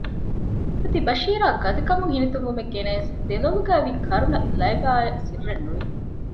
އަދި ބަޝީރާ ގަދަކަމުން ހިނިތުންވުމެއް ގެނަޔަސް ދެލޮލުގައިވި ކަރުނަ ލައިބާއަށް ސިއްރެއްނުވި